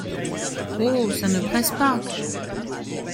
Oh ! ça ne presse pas !…